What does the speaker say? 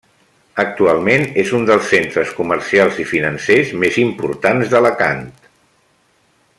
Actualment és un dels centres comercials i financers més importants d'Alacant.